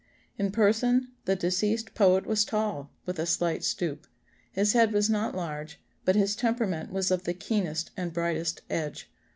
] "In person, the deceased poet was tall, with a slight stoop. His head was not large, but his temperament was of the keenest and brightest edge.